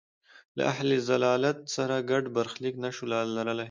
له اهل ضلالت سره ګډ برخلیک نه شو لرلای.